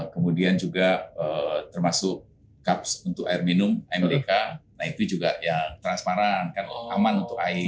kemudian juga termasuk cups untuk air minum mbk nah itu juga yang transparan kan aman untuk air